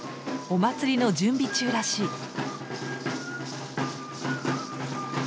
お祭りの準備中らしい。